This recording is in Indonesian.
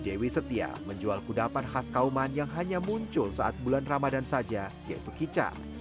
dewi setia menjual kudapan khas kauman yang hanya muncul saat bulan ramadhan saja yaitu kica